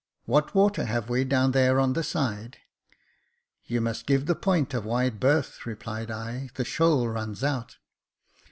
What water have we down here on the side ?"" You must give the point a wide berth," repHed I ;" the shoal runs out."